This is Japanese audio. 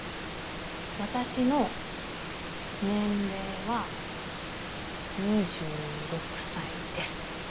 私の年齢は２６歳です。